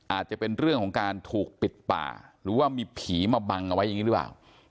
อาจจะเป็นเรื่องของการถูกปิดป่าหรือว่ามีผีมาบังเอาไว้อย่างนี้หรือเปล่า